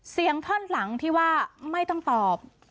ท่อนหลังที่ว่าไม่ต้องตอบ